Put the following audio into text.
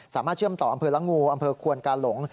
สามารถเชื่อมต่ออำเภอละงูหรืออำเภอขวนกาหลง